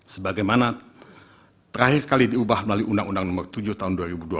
sebagaimana terakhir kali diubah melalui undang undang nomor tujuh tahun dua ribu dua belas